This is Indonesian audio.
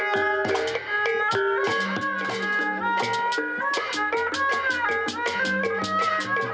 saya bimbingan khawatir mereka